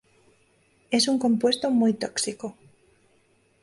Es un compuesto muy tóxico.